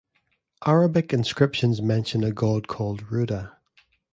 Arabic inscriptions mention a god called Ruda.